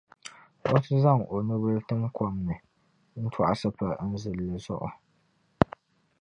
o ti zaŋ o nubil’ tim kom ni n-tɔɣisi pa n zilinli zuɣu.